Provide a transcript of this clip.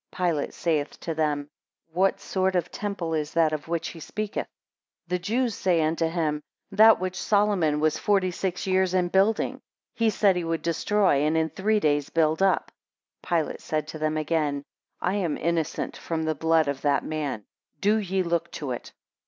3 Pilate saith to them, What sort of temple is that of which he speaketh? 4 The Jews say unto him, That which Solomon was forty six years in building, he said he would destroy, and in three days build up. 5 Pilate said to them again, I am innocent from the blood of that man! do ye look to it.